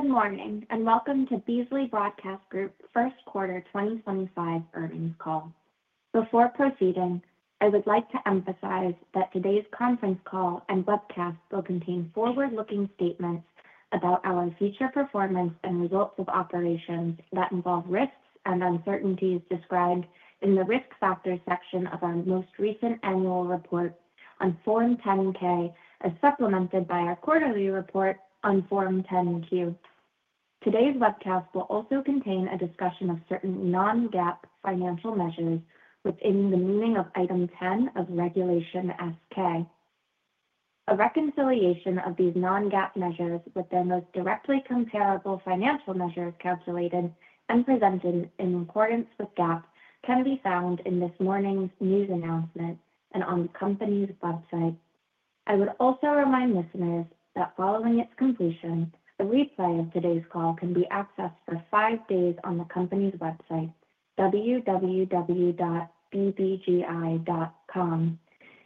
Good morning and welcome to Beasley Broadcast Group First Quarter 2025 Earnings Call. Before proceeding, I would like to emphasize that today's conference call and webcast will contain forward-looking statements about our future performance and results of operations that involve risks and uncertainties described in the risk factor section of our most recent annual report on Form 10-K, as supplemented by our quarterly report on Form 10-Q. Today's webcast will also contain a discussion of certain non-GAAP financial measures within the meaning of Item 10 of Regulation S-K. A reconciliation of these non-GAAP measures with their most directly comparable financial measures calculated and presented in accordance with GAAP can be found in this morning's news announcement and on the company's website. I would also remind listeners that following its completion, a replay of today's call can be accessed for five days on the company's website, www.bbgi.com.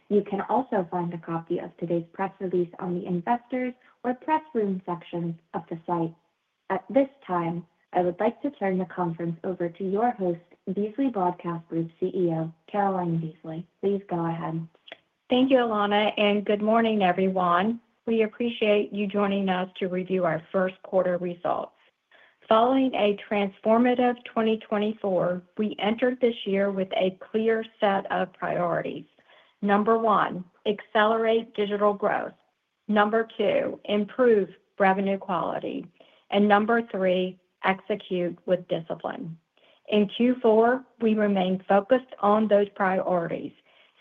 You can also find a copy of today's press release on the investors' or press room sections of the site. At this time, I would like to turn the conference over to your host, Beasley Broadcast Group CEO, Caroline Beasley. Please go ahead. Thank you, Ilana, and good morning, everyone. We appreciate you joining us to review our first quarter results. Following a transformative 2024, we entered this year with a clear set of priorities. Number one, accelerate digital growth. Number two, improve revenue quality. Number three, execute with discipline. In Q4, we remained focused on those priorities,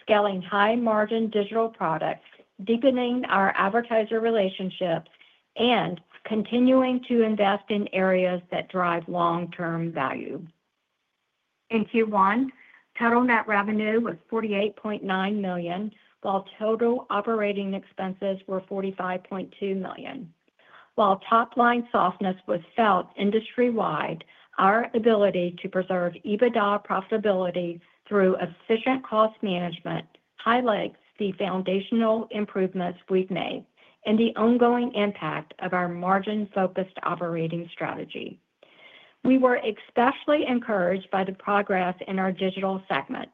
scaling high-margin digital products, deepening our advertiser relationships, and continuing to invest in areas that drive long-term value. In Q1, total net revenue was $48.9 million, while total operating expenses were $45.2 million. While top-line softness was felt industry-wide, our ability to preserve EBITDA profitability through efficient cost management highlights the foundational improvements we have made and the ongoing impact of our margin-focused operating strategy. We were especially encouraged by the progress in our digital segment.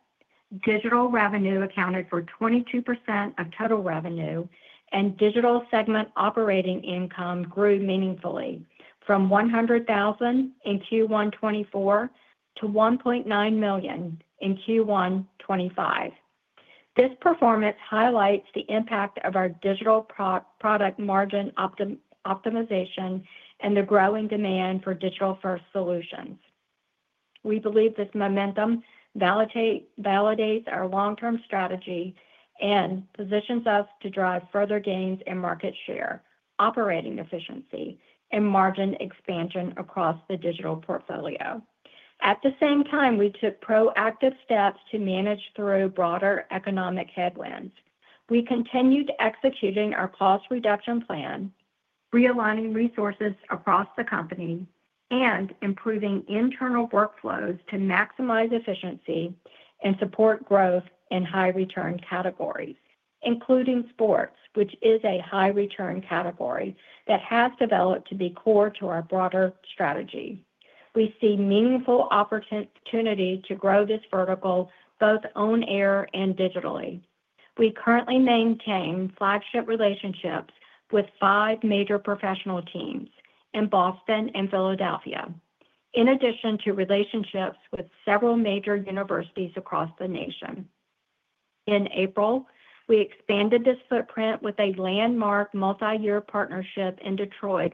Digital revenue accounted for 22% of total revenue, and digital segment operating income grew meaningfully from $100,000 in Q1 2024 to $1.9 million in Q1 2025. This performance highlights the impact of our digital product margin optimization and the growing demand for digital-first solutions. We believe this momentum validates our long-term strategy and positions us to drive further gains in market share, operating efficiency, and margin expansion across the digital portfolio. At the same time, we took proactive steps to manage through broader economic headwinds. We continued executing our cost reduction plan, realigning resources across the company, and improving internal workflows to maximize efficiency and support growth in high-return categories, including sports, which is a high-return category that has developed to be core to our broader strategy. We see meaningful opportunity to grow this vertical both on air and digitally. We currently maintain flagship relationships with five major professional teams in Boston and Philadelphia, in addition to relationships with several major universities across the nation. In April, we expanded this footprint with a landmark multi-year partnership in Detroit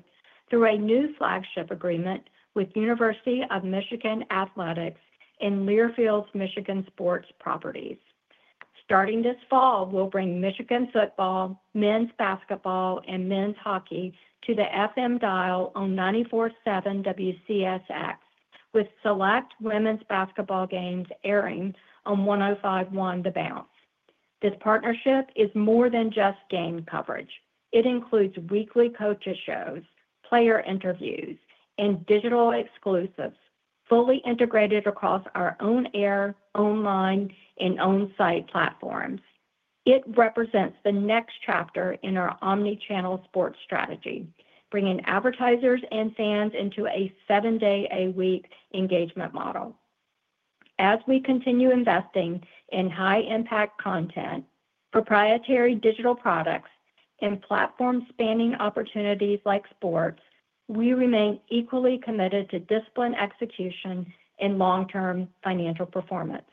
through a new flagship agreement with University of Michigan Athletics and Learfield's Michigan Sports Properties. Starting this fall, we'll bring Michigan football, men's basketball, and men's hockey to the FM dial on 94.7 WCSX, with select women's basketball games airing on 105.1 The Bounce. This partnership is more than just game coverage. It includes weekly coaches' shows, player interviews, and digital exclusives, fully integrated across our own air, online, and on-site platforms. It represents the next chapter in our omnichannel sports strategy, bringing advertisers and fans into a seven-day-a-week engagement model. As we continue investing in high-impact content, proprietary digital products, and platform-spanning opportunities like sports, we remain equally committed to disciplined execution and long-term financial performance.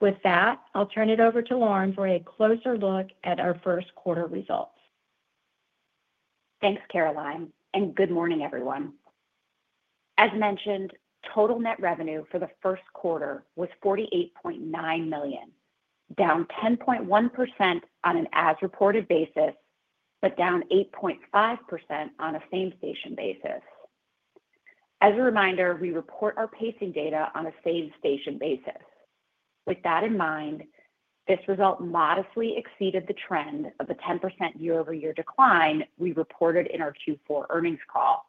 With that, I'll turn it over to Lauren for a closer look at our first quarter results. Thanks, Caroline, and good morning, everyone. As mentioned, total net revenue for the first quarter was $48.9 million, down 10.1% on an as-reported basis, but down 8.5% on a same-station basis. As a reminder, we report our pacing data on a same-station basis. With that in mind, this result modestly exceeded the trend of a 10% year-over-year decline we reported in our Q4 earnings call,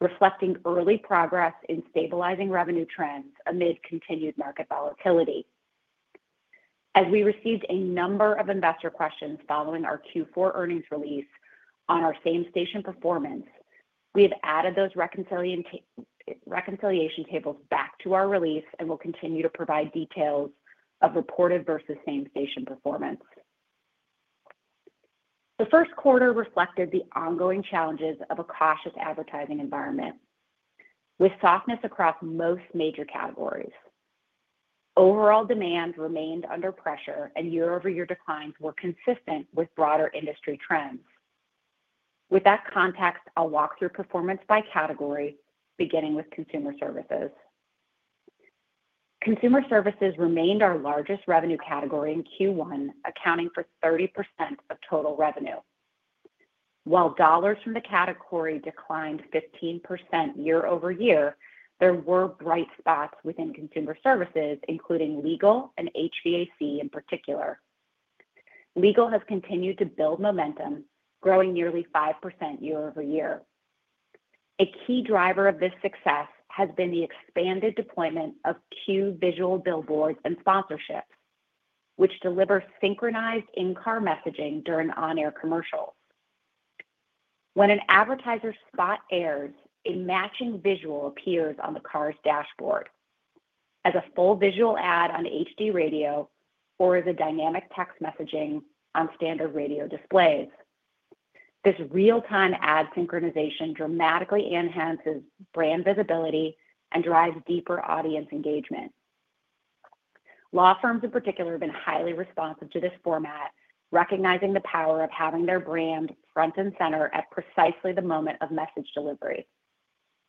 reflecting early progress in stabilizing revenue trends amid continued market volatility. As we received a number of investor questions following our Q4 earnings release on our same-station performance, we have added those reconciliation tables back to our release and will continue to provide details of reported versus same-station performance. The first quarter reflected the ongoing challenges of a cautious advertising environment, with softness across most major categories. Overall demand remained under pressure, and year-over-year declines were consistent with broader industry trends. With that context, I'll walk through performance by category, beginning with consumer services. Consumer services remained our largest revenue category in Q1, accounting for 30% of total revenue. While dollars from the category declined 15% year-over-year, there were bright spots within consumer services, including legal and HVAC in particular. Legal has continued to build momentum, growing nearly 5% year-over-year. A key driver of this success has been the expanded deployment of Quu Visual billboards and sponsorships, which deliver synchronized in-car messaging during on-air commercials. When an advertiser spot airs, a matching visual appears on the car's dashboard, as a full visual ad on HD Radio, or as a dynamic text messaging on standard radio displays. This real-time ad synchronization dramatically enhances brand visibility and drives deeper audience engagement. Law firms, in particular, have been highly responsive to this format, recognizing the power of having their brand front and center at precisely the moment of message delivery.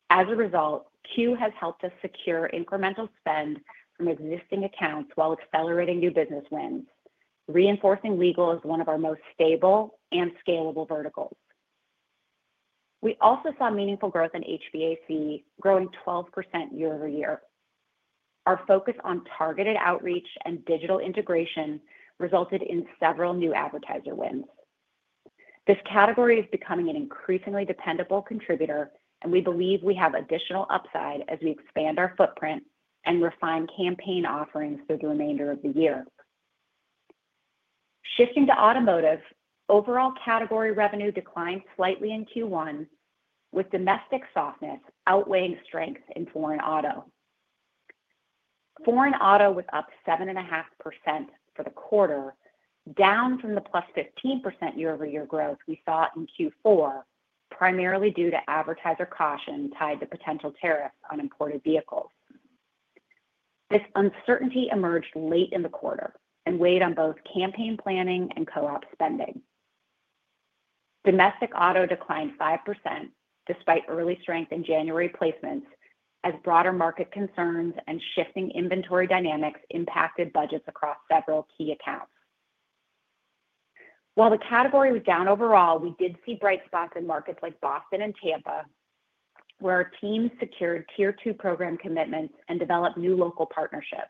As a result, Quu has helped us secure incremental spend from existing accounts while accelerating new business wins, reinforcing legal as one of our most stable and scalable verticals. We also saw meaningful growth in HVAC, growing 12% year-over-year. Our focus on targeted outreach and digital integration resulted in several new advertiser wins. This category is becoming an increasingly dependable contributor, and we believe we have additional upside as we expand our footprint and refine campaign offerings through the remainder of the year. Shifting to automotive, overall category revenue declined slightly in Q1, with domestic softness outweighing strength in foreign auto. Foreign auto was up 7.5% for the quarter, down from the plus 15% year-over-year growth we saw in Q4, primarily due to advertiser caution tied to potential tariffs on imported vehicles. This uncertainty emerged late in the quarter and weighed on both campaign planning and co-op spending. Domestic auto declined 5% despite early strength in January placements, as broader market concerns and shifting inventory dynamics impacted budgets across several key accounts. While the category was down overall, we did see bright spots in markets like Boston and Tampa, where our teams secured Tier II program commitments and developed new local partnerships.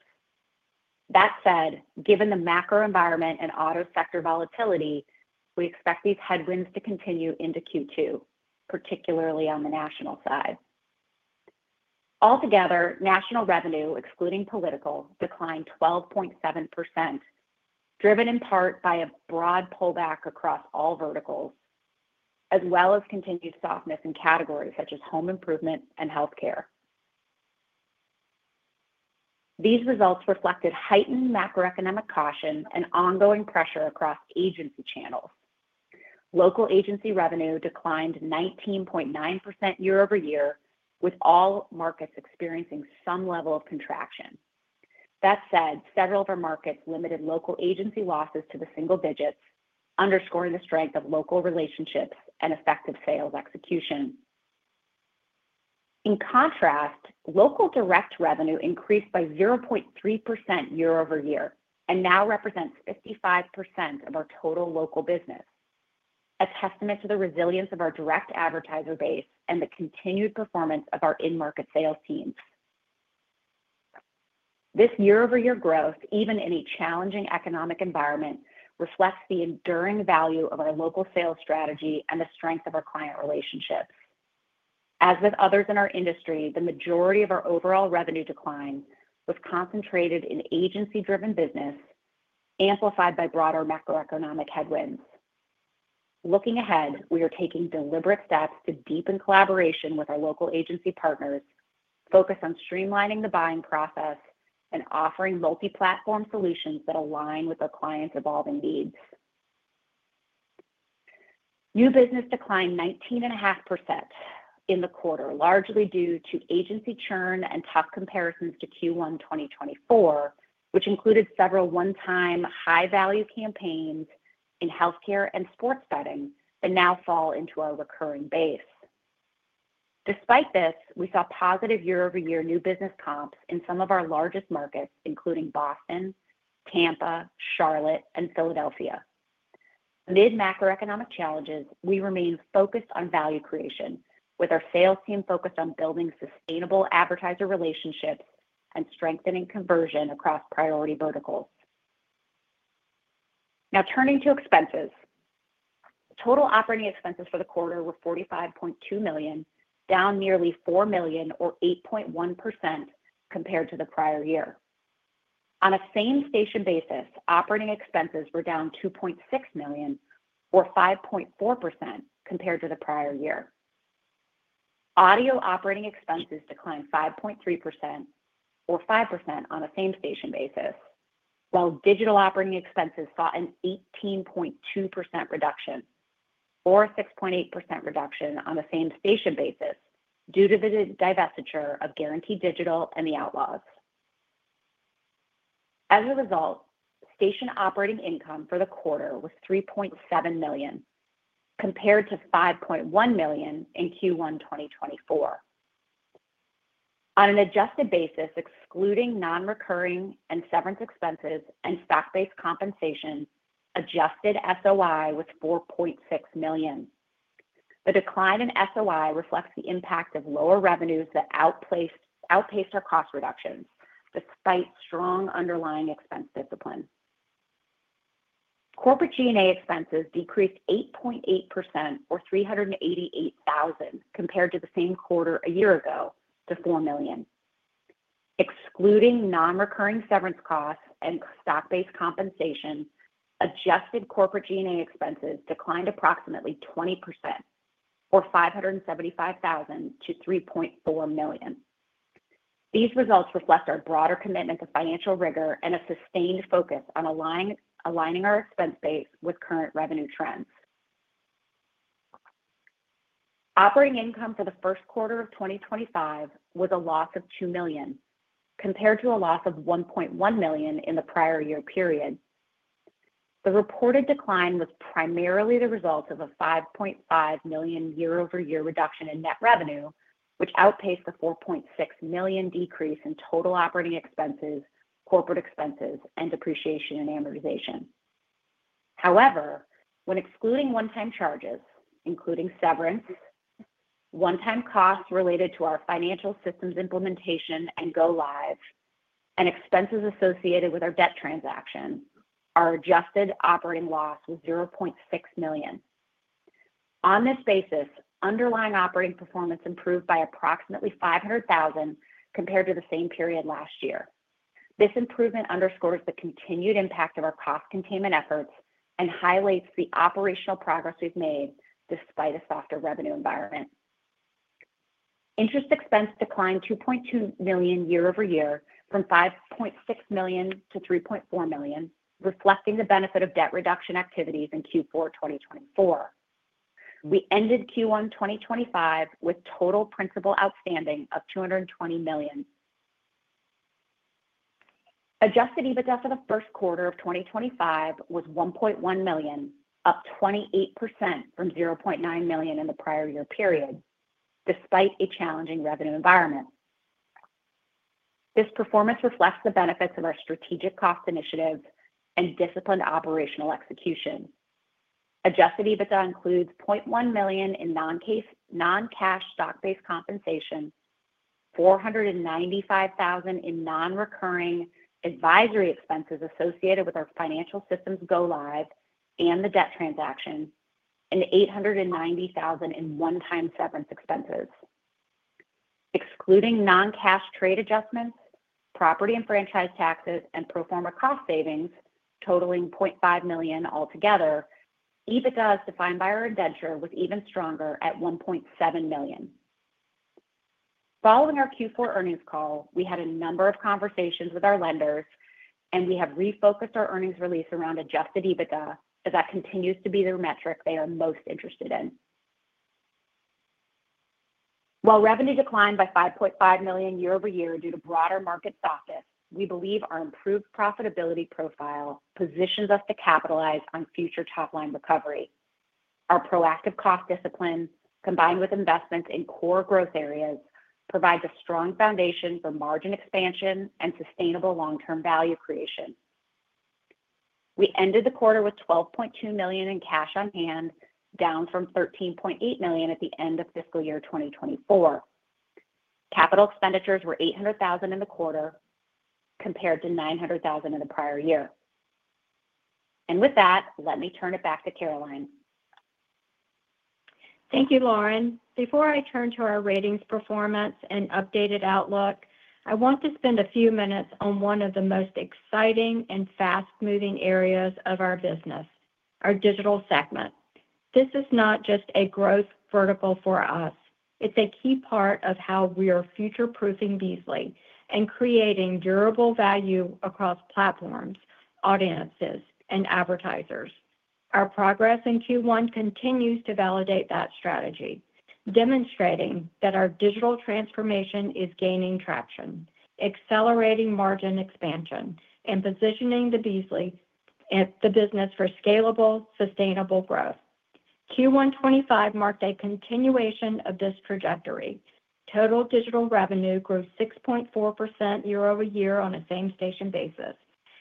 That said, given the macro environment and auto sector volatility, we expect these headwinds to continue into Q2, particularly on the national side. Altogether, national revenue, excluding political, declined 12.7%, driven in part by a broad pullback across all verticals, as well as continued softness in categories such as home improvements and healthcare. These results reflected heightened macroeconomic caution and ongoing pressure across agency channels. Local agency revenue declined 19.9% year-over-year, with all markets experiencing some level of contraction. That said, several of our markets limited local agency losses to the single digits, underscoring the strength of local relationships and effective sales execution. In contrast, local direct revenue increased by 0.3% year-over-year and now represents 55% of our total local business, a testament to the resilience of our direct advertiser base and the continued performance of our in-market sales teams. This year-over-year growth, even in a challenging economic environment, reflects the enduring value of our local sales strategy and the strength of our client relationships. As with others in our industry, the majority of our overall revenue decline was concentrated in agency-driven business, amplified by broader macroeconomic headwinds. Looking ahead, we are taking deliberate steps to deepen collaboration with our local agency partners, focus on streamlining the buying process, and offering multi-platform solutions that align with our clients' evolving needs. New business declined 19.5% in the quarter, largely due to agency churn and tough comparisons to Q1 2024, which included several one-time high-value campaigns in healthcare and sports betting that now fall into a recurring base. Despite this, we saw positive year-over-year new business comps in some of our largest markets, including Boston, Tampa, Charlotte, and Philadelphia. Amid macroeconomic challenges, we remain focused on value creation, with our sales team focused on building sustainable advertiser relationships and strengthening conversion across priority verticals. Now turning to expenses, total operating expenses for the quarter were $45.2 million, down nearly $4 million, or 8.1%, compared to the prior year. On a same-station basis, operating expenses were down $2.6 million, or 5.4%, compared to the prior year. Audio operating expenses declined 5.3%, or 5% on a same-station basis, while digital operating expenses saw an 18.2% reduction, or a 6.8% reduction on a same-station basis, due to the divestiture of Guarantee Digital and the Outlaws. As a result, station operating income for the quarter was $3.7 million, compared to $5.1 million in Q1 2024. On an adjusted basis, excluding non-recurring and severance expenses and stock-based compensation, adjusted SOI was $4.6 million. The decline in SOI reflects the impact of lower revenues that outpaced our cost reductions, despite strong underlying expense discipline. Corporate G&A expenses decreased 8.8%, or $388,000, compared to the same quarter a year ago, to $4 million. Excluding non-recurring severance costs and stock-based compensation, adjusted corporate G&A expenses declined approximately 20%, or $575,000, to $3.4 million. These results reflect our broader commitment to financial rigor and a sustained focus on aligning our expense base with current revenue trends. Operating income for the first quarter of 2025 was a loss of $2 million, compared to a loss of $1.1 million in the prior year period. The reported decline was primarily the result of a $5.5 million year-over-year reduction in net revenue, which outpaced the $4.6 million decrease in total operating expenses, corporate expenses, and depreciation and amortization. However, when excluding one-time charges, including severance, one-time costs related to our financial systems implementation and go-live, and expenses associated with our debt transaction, our adjusted operating loss was $0.6 million. On this basis, underlying operating performance improved by approximately $500,000 compared to the same period last year. This improvement underscores the continued impact of our cost containment efforts and highlights the operational progress we have made despite a softer revenue environment. Interest expense declined $2.2 million year-over-year, from $5.6 million to $3.4 million, reflecting the benefit of debt reduction activities in Q4 2024. We ended Q1 2025 with total principal outstanding of $220 million. Adjusted EBITDA for the first quarter of 2025 was $1.1 million, up 28% from $0.9 million in the prior year period, despite a challenging revenue environment. This performance reflects the benefits of our strategic cost initiative and disciplined operational execution. Adjusted EBITDA includes $0.1 million in non-cash stock-based compensation, $495,000 in non-recurring advisory expenses associated with our financial systems go-live and the debt transaction, and $890,000 in one-time severance expenses. Excluding non-cash trade adjustments, property and franchise taxes, and proforma cost savings, totaling $0.5million altogether, EBITDA as defined by our indenture was even stronger at $1.7 million. Following our Q4 earnings call, we had a number of conversations with our lenders, and we have refocused our earnings release around adjusted EBITDA, as that continues to be the metric they are most interested in. While revenue declined by $5.5 million year-over-year due to broader market softness, we believe our improved profitability profile positions us to capitalize on future top-line recovery. Our proactive cost discipline, combined with investments in core growth areas, provides a strong foundation for margin expansion and sustainable long-term value creation. We ended the quarter with $12.2 million in cash on hand, down from $13.8 million at the end of fiscal year 2024. Capital expenditures were $800,000 in the quarter, compared to $900,000 in the prior year. With that, let me turn it back to Caroline. Thank you, Lauren. Before I turn to our ratings performance and updated outlook, I want to spend a few minutes on one of the most exciting and fast-moving areas of our business, our digital segment. This is not just a growth vertical for us. It's a key part of how we are future-proofing Beasley and creating durable value across platforms, audiences, and advertisers. Our progress in Q1 continues to validate that strategy, demonstrating that our digital transformation is gaining traction, accelerating margin expansion, and positioning the Beasley business for scalable, sustainable growth. Q1 2025 marked a continuation of this trajectory. Total digital revenue grew 6.4% year-over-year on a same-station basis,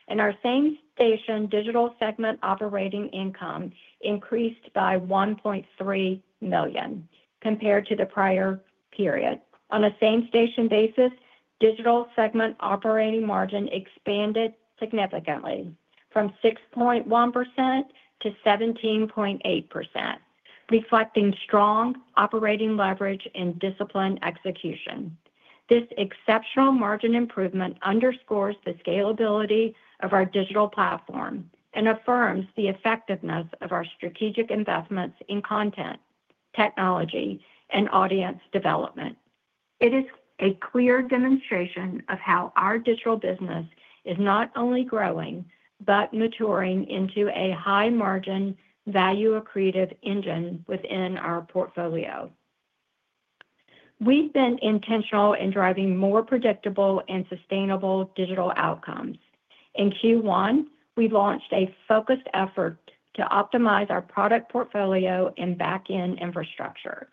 and our same-station digital segment operating income increased by $1.3 million compared to the prior period. On a same-station basis, digital segment operating margin expanded significantly, from 6.1% to 17.8%, reflecting strong operating leverage and discipline execution. This exceptional margin improvement underscores the scalability of our digital platform and affirms the effectiveness of our strategic investments in content, technology, and audience development. It is a clear demonstration of how our digital business is not only growing but maturing into a high-margin value-accretive engine within our portfolio. We've been intentional in driving more predictable and sustainable digital outcomes. In Q1, we launched a focused effort to optimize our product portfolio and back-end infrastructure.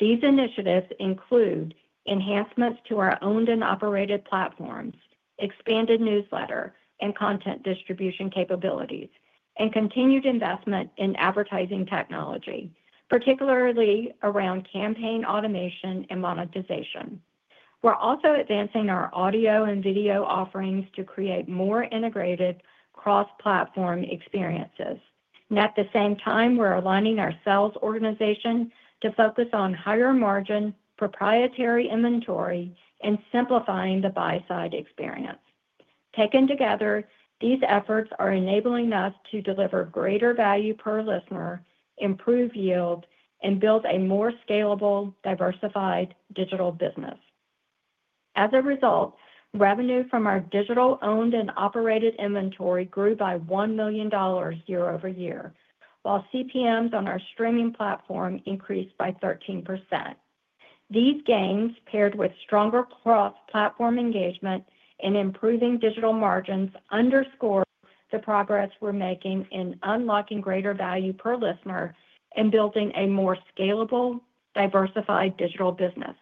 These initiatives include enhancements to our owned and operated platforms, expanded newsletter and content distribution capabilities, and continued investment in advertising technology, particularly around campaign automation and monetization. We're also advancing our audio and video offerings to create more integrated cross-platform experiences. At the same time, we're aligning our sales organization to focus on higher margin, proprietary inventory, and simplifying the buy-side experience. Taken together, these efforts are enabling us to deliver greater value per listener, improve yield, and build a more scalable, diversified digital business. As a result, revenue from our digital owned and operated inventory grew by $1 million year-over-year, while CPMs on our streaming platform increased by 13%. These gains, paired with stronger cross-platform engagement and improving digital margins, underscore the progress we're making in unlocking greater value per listener and building a more scalable, diversified digital business.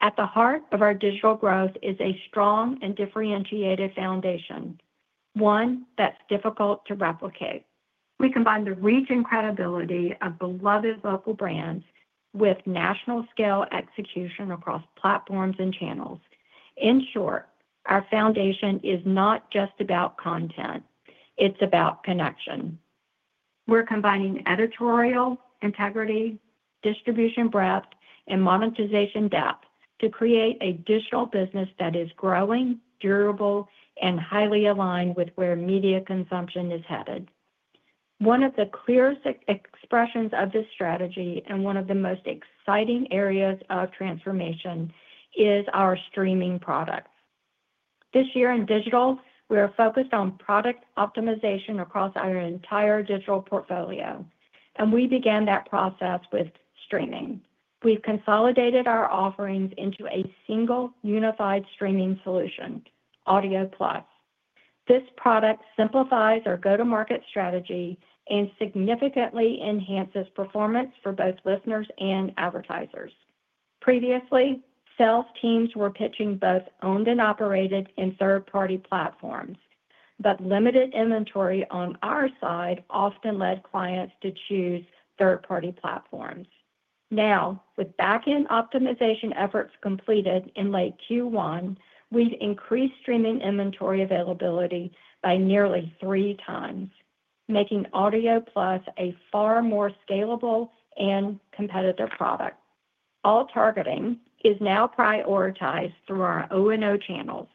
At the heart of our digital growth is a strong and differentiated foundation, one that's difficult to replicate. We combine the reach and credibility of beloved local brands with national-scale execution across platforms and channels. In short, our foundation is not just about content; it's about connection. We're combining editorial integrity, distribution breadth, and monetization depth to create a digital business that is growing, durable, and highly aligned with where media consumption is headed. One of the clearest expressions of this strategy and one of the most exciting areas of transformation is our streaming products. This year in digital, we are focused on product optimization across our entire digital portfolio, and we began that process with streaming. We've consolidated our offerings into a single unified streaming solution, Audio Plus. This product simplifies our go-to-market strategy and significantly enhances performance for both listeners and advertisers. Previously, sales teams were pitching both owned and operated and third-party platforms, but limited inventory on our side often led clients to choose third-party platforms. Now, with back-end optimization efforts completed in late Q1, we've increased streaming inventory availability by nearly three times, making Audio Plus a far more scalable and competitive product. All targeting is now prioritized through our O&O channels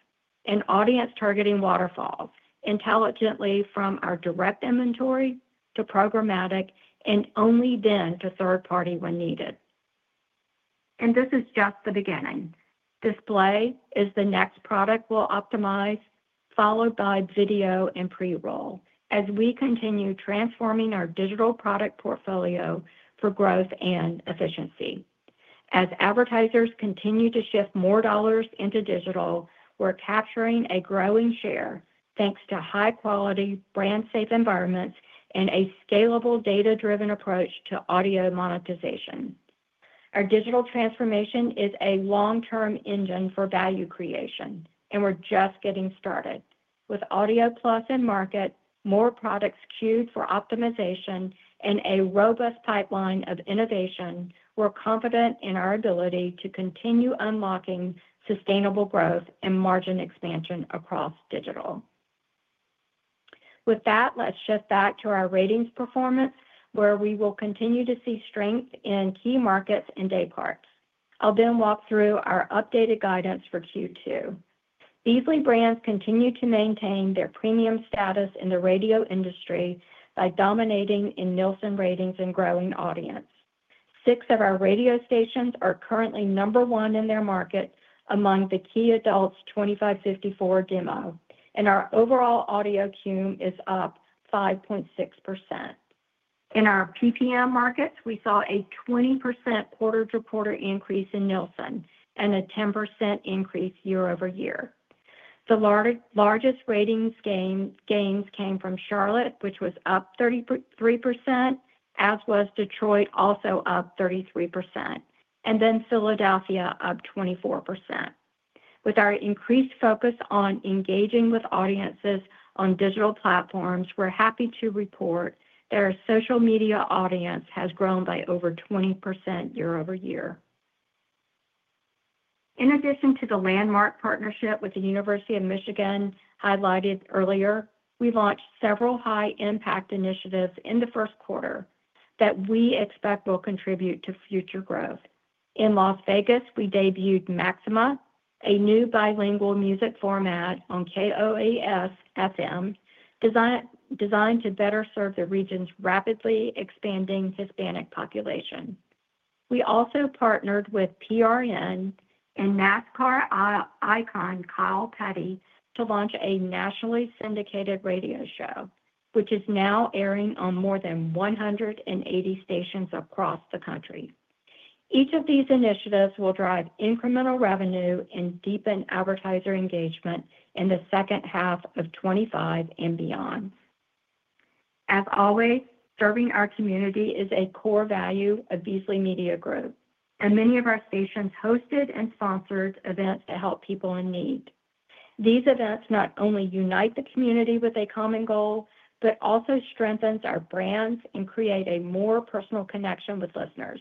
and audience-targeting waterfalls, intelligently from our direct inventory to programmatic and only then to third-party when needed. This is just the beginning. Display is the next product we will optimize, followed by video and pre-roll, as we continue transforming our digital product portfolio for growth and efficiency. As advertisers continue to shift more dollars into digital, we are capturing a growing share, thanks to high-quality, brand-safe environments and a scalable data-driven approach to audio monetization. Our digital transformation is a long-term engine for value creation, and we are just getting started. With Audio Plus in market, more products queued for optimization, and a robust pipeline of innovation, we are confident in our ability to continue unlocking sustainable growth and margin expansion across digital. With that, let's shift back to our ratings performance, where we will continue to see strength in key markets and day parts. I'll then walk through our updated guidance for Q2. Beasley Brands continue to maintain their premium status in the radio industry by dominating in Nielsen ratings and growing audience. Six of our radio stations are currently number one in their market among the key adults 25-54 demo, and our overall audio cue is up 5.6%. In our PPM markets, we saw a 20% quarter-to-quarter increase in Nielsen and a 10% increase year-over-year. The largest ratings gains came from Charlotte, which was up 33%, as was Detroit, also up 33%, and then Philadelphia, up 24%. With our increased focus on engaging with audiences on digital platforms, we're happy to report that our social media audience has grown by over 20% year-over-year. In addition to the landmark partnership with the University of Michigan highlighted earlier, we launched several high-impact initiatives in the first quarter that we expect will contribute to future growth. In Las Vegas, we debuted Maxima, a new bilingual music format on KOAS FM, designed to better serve the region's rapidly expanding Hispanic population. We also partnered with PRN and NASCAR icon Kyle Petty to launch a nationally syndicated radio show, which is now airing on more than 180 stations across the country. Each of these initiatives will drive incremental revenue and deepen advertiser engagement in the second half of 2025 and beyond. As always, serving our community is a core value of Beasley Media Group, and many of our stations hosted and sponsored events to help people in need. These events not only unite the community with a common goal but also strengthen our brands and create a more personal connection with listeners.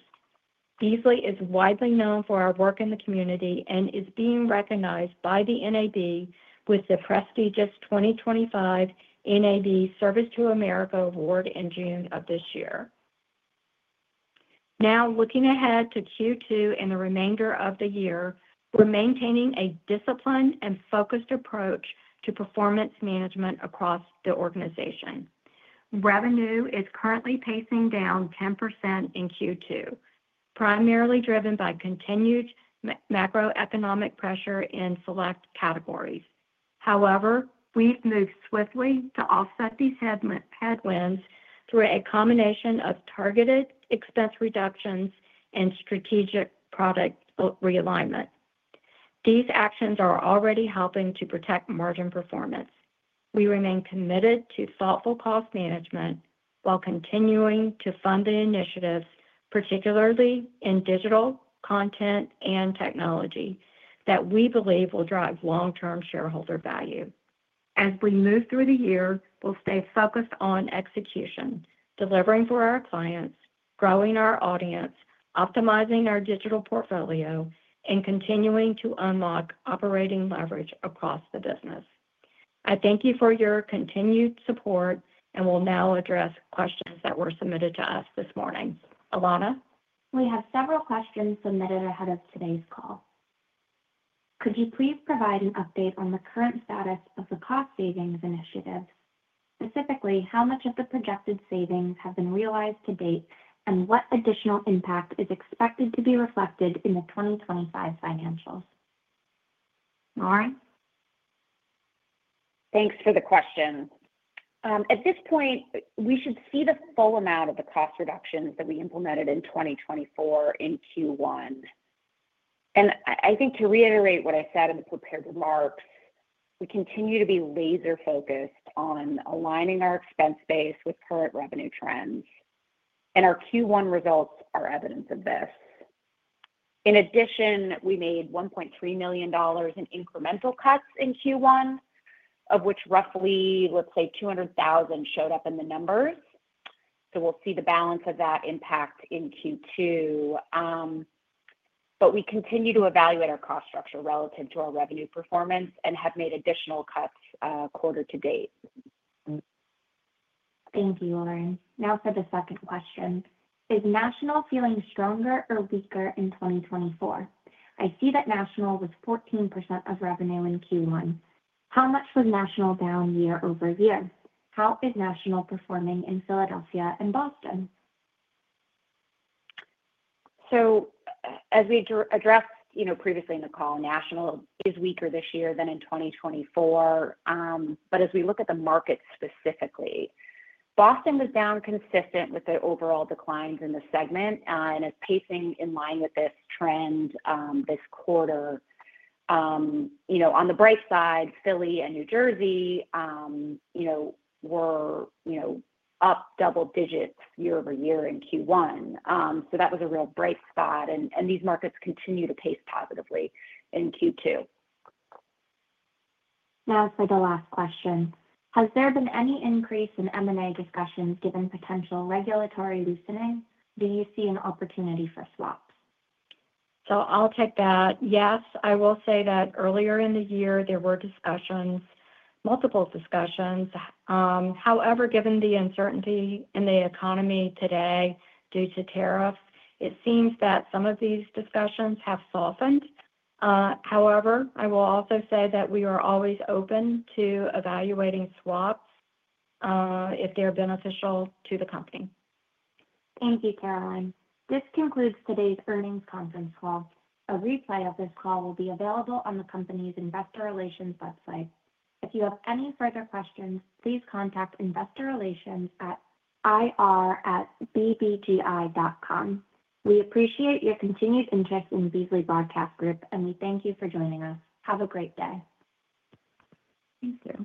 Beasley is widely known for our work in the community and is being recognized by the NAB with the prestigious 2025 NAB Service to America Award in June of this year. Now, looking ahead to Q2 and the remainder of the year, we're maintaining a disciplined and focused approach to performance management across the organization. Revenue is currently pacing down 10% in Q2, primarily driven by continued macroeconomic pressure in select categories. However, we've moved swiftly to offset these headwinds through a combination of targeted expense reductions and strategic product realignment. These actions are already helping to protect margin performance. We remain committed to thoughtful cost management while continuing to fund the initiatives, particularly in digital content and technology, that we believe will drive long-term shareholder value. As we move through the year, we'll stay focused on execution, delivering for our clients, growing our audience, optimizing our digital portfolio, and continuing to unlock operating leverage across the business. I thank you for your continued support and will now address questions that were submitted to us this morning. Ilana? We have several questions submitted ahead of today's call. Could you please provide an update on the current status of the cost savings initiatives? Specifically, how much of the projected savings have been realized to date and what additional impact is expected to be reflected in the 2025 financials? Lauren? Thanks for the question. At this point, we should see the full amount of the cost reductions that we implemented in 2024 in Q1. I think to reiterate what I said in the prepared remarks, we continue to be laser-focused on aligning our expense base with current revenue trends, and our Q1 results are evidence of this. In addition, we made $1.3 million in incremental cuts in Q1, of which roughly, let's say, $200,000 showed up in the numbers. We will see the balance of that impact in Q2. We continue to evaluate our cost structure relative to our revenue performance and have made additional cuts quarter-to-date. Thank you, Lauren. Now for the second question. Is National feeling stronger or weaker in 2024? I see that National was 14% of revenue in Q1. How much was National down year-over-year? How is National performing in Philadelphia and Boston? As we addressed previously in the call, National is weaker this year than in 2024. As we look at the market specifically, Boston was down consistent with the overall declines in the segment and is pacing in line with this trend this quarter. On the bright side, Philly and New Jersey were up double digits year-over-year in Q1. That was a real bright spot, and these markets continue to pace positively in Q2. Now for the last question. Has there been any increase in M&A discussions given potential regulatory loosening? Do you see an opportunity for swaps? I'll take that. Yes, I will say that earlier in the year, there were discussions, multiple discussions. However, given the uncertainty in the economy today due to tariffs, it seems that some of these discussions have softened. However, I will also say that we are always open to evaluating swaps if they're beneficial to the company. Thank you, Caroline. This concludes today's earnings conference call. A replay of this call will be available on the company's investor relations website. If you have any further questions, please contact investorrelations@ir@bbgi.com. We appreciate your continued interest in the Beasley Broadcast Group, and we thank you for joining us. Have a great day. Thank you.